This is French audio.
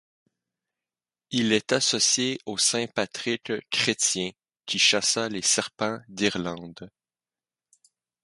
Il est associé au saint Patrick chrétien qui chassa les serpents d'Irlande.